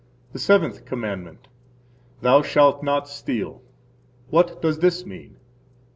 The Seventh Commandment. Thou shalt not steal. What does this mean?